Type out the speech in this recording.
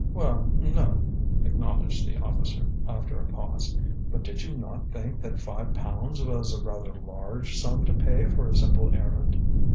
"Well, no," acknowledged the officer, after a pause. "But did you not think that five pounds was a rather large sum to pay for a simple errand?"